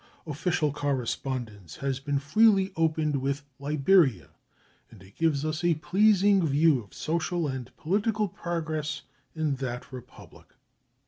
Official correspondence has been freely opened with Liberia, and it gives us a pleasing view of social and political progress in that Republic.